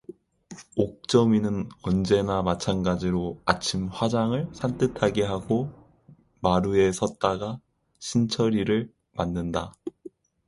옥점이는 언제나 마찬가지로 아침 화장을 산뜻하게 하고 마루에 섰다가 신철이를 맞는다.